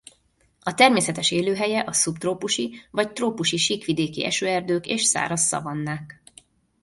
A természetes élőhelye a szubtrópusi vagy trópusi síkvidéki esőerdők és száraz szavannák.